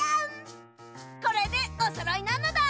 これでおそろいなのだ！